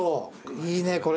いいねこれ。